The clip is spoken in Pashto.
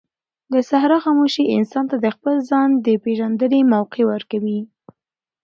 د صحرا خاموشي انسان ته د خپل ځان د پېژندنې موقع ورکوي.